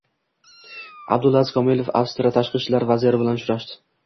Abdulaziz Komilov Avstriya Tashqi ishlar vaziri bilan uchrashding